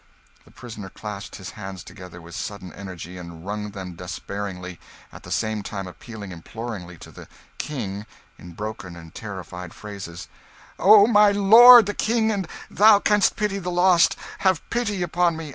The prisoner clasped his hands together with sudden energy, and wrung them despairingly, at the same time appealing imploringly to the 'King' in broken and terrified phrases "O my lord the King, an' thou canst pity the lost, have pity upon me!